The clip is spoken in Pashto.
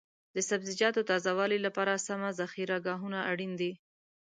د سبزیجاتو تازه والي لپاره سمه ذخیره ګاهونه اړین دي.